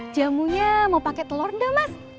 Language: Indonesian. jamunya mau pakai telur enggak mas